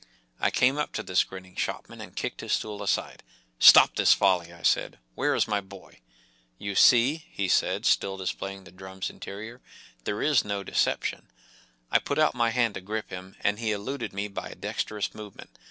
1 came up to this grinning shopman and kicked his stool aside. “ Stop this folly ! ” I said. “ Where is my boy ?" “ You see," he said, still displaying the drum’s interior, “there is no deception *’ I put out my hand to grip him, and he eluded me by a dexterous movement.